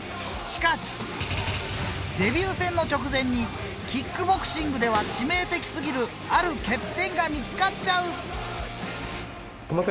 しかしデビュー戦の直前にキックボクシングでは致命的すぎるある欠点が見付かっちゃう。